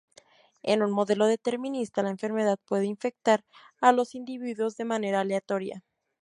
En un modelo determinista la enfermedad puede infectar a los individuos de manera aleatoria.